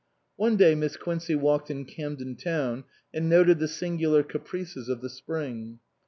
One day Miss Quincey walked in Camden Town and noted the singular caprices of the spring.